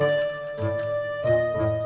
ya udah aku tunggu